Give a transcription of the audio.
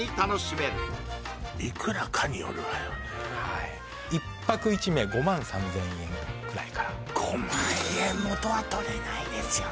はい１泊１名５万３０００円くらいから５万円元は取れないでしょ